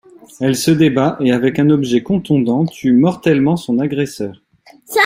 Elle se débat, et avec un objet contondant tue mortellement son agresseur.